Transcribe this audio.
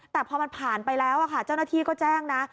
แต่พอมันผ่านไปแล้วเจ้าหน้าที่ก็แจ้งนะ